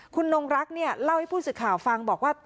คุณนงรักเนี่ยเล่าให้ผู้สื่อข่าวฟังบอกว่า